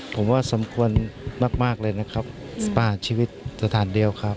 ผมว่าสำควรมากมากเลยนะครับสปานชีวิตสถานเดียวครับ